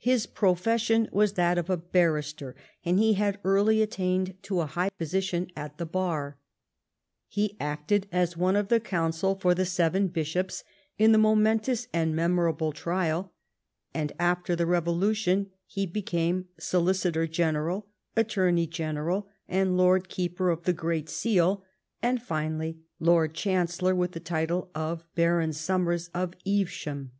His profession was that of a barrister, and he had early attained to a high position at the bar. He acted as one of the counsel for the seven bishops in the momentous and memorable trial, and after the revolution he became Solicitor General, At tomey (Jeneral, and Lord Keeper of the Great Seal, and finally Lord Chancellor, with the title of Baron Somers of Evesham.